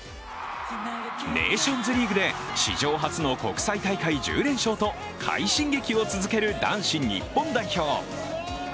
ネーションズリーグで史上初の国際大会１０連勝と快進撃を続ける男子日本代表。